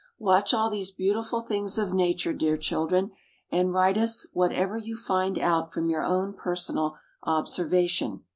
Watch all these beautiful things of nature, dear children, and write us whatever you find out from your own personal observation.